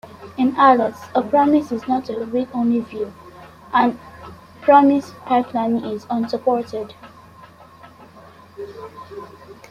In Alice, a promise is not a read-only view, and promise pipelining is unsupported.